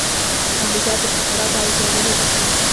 تولیدات د خطراتو او زیانونو ډک وي.